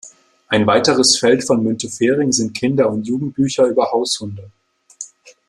Ein weiteres Feld von Müntefering sind Kinder- und Jugendbücher über Haushunde.